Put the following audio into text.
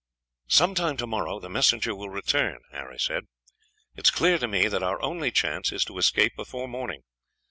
"Some time tomorrow the messenger will return," Harry said. "It is clear to me that our only chance is to escape before morning.